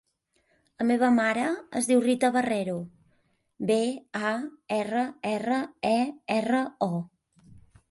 La meva mare es diu Rita Barrero: be, a, erra, erra, e, erra, o.